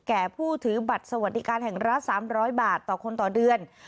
แก่ผู้ถือบัตรสวัสดิการแห่งรัฐ๓๐๐บาทต่อคนต่อเดือน